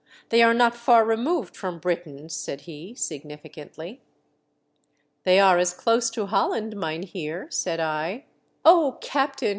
They are not far removed from Britain," said he, significantly. " They are as close to Holland, mynheer," said I. "Oh, captain!"